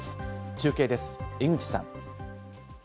中継です、江口さん。